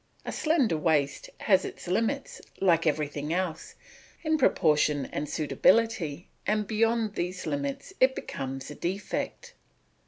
A slender waist has its limits, like everything else, in proportion and suitability, and beyond these limits it becomes a defect.